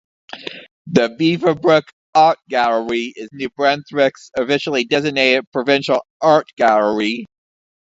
The Beaverbrook Art Gallery is New Brunswick's officially designated provincial art gallery.